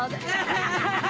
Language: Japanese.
ハハハハ！